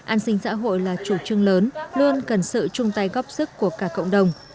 an sinh xã hội là chủ trương lớn luôn cần sự chung tay góp sức của cả cộng đồng